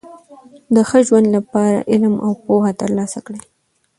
د ښه ژوند له پاره علم او پوهه ترلاسه کړئ!